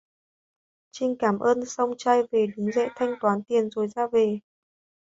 Chinh cảm ơn xong trai để đứng dậy thanh toán tiền rồi ra về